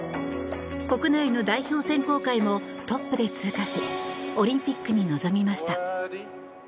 国内の代表選考会もトップで通過しオリンピックに臨みました。